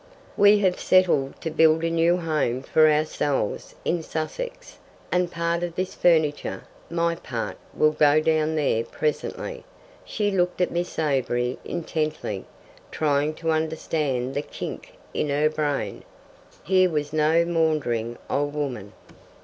"We have settled to build a new home for ourselves in Sussex, and part of this furniture my part will go down there presently." She looked at Miss Avery intently, trying to understand the kink in her brain. Here was no maundering old woman.